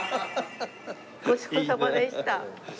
ごちそうさまでした。